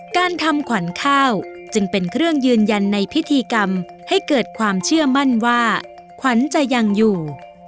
การทำขวัญข้าวจึงเป็นเครื่องยืนยันในพิธีกรรมให้เกิดความเชื่อมั่นว่าขวัญจะยังอยู่